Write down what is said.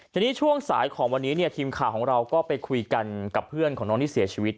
ทีนี้ช่วงสายของวันนี้เนี่ยทีมข่าวของเราก็ไปคุยกันกับเพื่อนของน้องที่เสียชีวิต